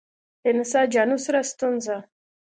له نساجانو سره ستونزه.